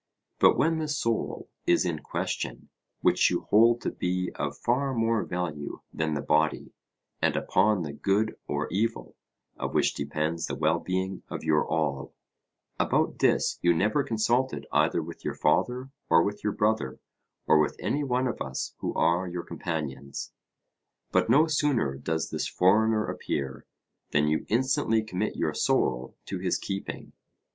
But when the soul is in question, which you hold to be of far more value than the body, and upon the good or evil of which depends the well being of your all, about this you never consulted either with your father or with your brother or with any one of us who are your companions. But no sooner does this foreigner appear, than you instantly commit your soul to his keeping.